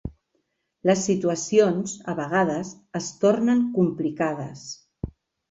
Les situacions, a vegades, es tornen complicades